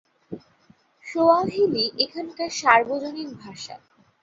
Swahili এখানকার সার্বজনীন ভাষা।